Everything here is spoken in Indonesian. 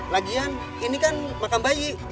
lagian ini kan makan bayi